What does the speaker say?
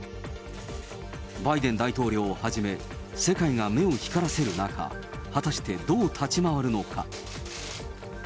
バイデン大統領をはじめ、世界が目を光らせる中、果たしてどう立ち回るのか。